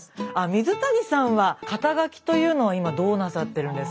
水谷さんは肩書というのは今どうなさってるんですか？